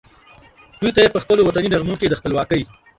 دوی ته یې پخپلو وطني نغمو کې د خپلواکۍ